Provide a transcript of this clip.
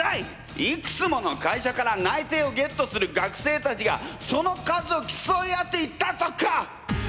いくつもの会社から内定をゲットする学生たちがその数をきそい合っていたとか！